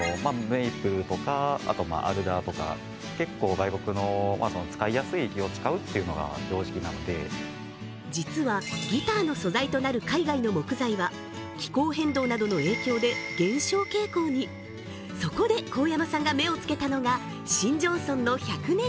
メイプルとかあとまあアルダーとか結構外国の使いやすい木を使うっていうのが常識なので実はギターの素材となる海外の木材は気候変動などの影響で減少傾向にそこで香山さんが目を付けたのが新庄村の１００年